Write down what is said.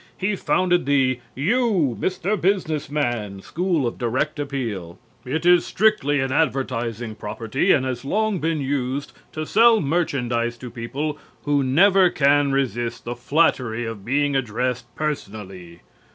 He founded the "You, Mr. Business Man!" school of direct appeal. It is strictly an advertising property and has long been used to sell merchandise to people who never can resist the flattery of being addressed personally.